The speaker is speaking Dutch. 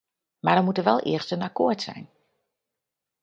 Maar dan moet er wel eerst een akkoord zijn.